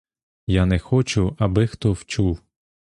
Я не хочу, аби хто вчув!